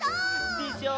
でしょ！